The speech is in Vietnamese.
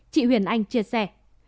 chị huyền anh chia sẻ